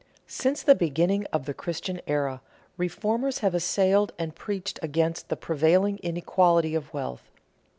Since the beginning of the Christian era, reformers have assailed and preached against the prevailing inequality of wealth.